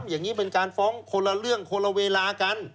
อย่างนี้เป็นการฟ้องคนละเรื่องคนละเวลากัน